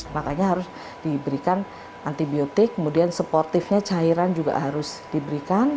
makanya harus diberikan antibiotik kemudian suportifnya cairan juga harus diberikan